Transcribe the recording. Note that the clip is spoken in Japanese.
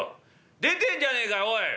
「出てんじゃねえかおい！